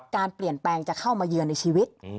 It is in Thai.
การเปลี่ยนแปลงจะเข้ามาเยือนในชีวิต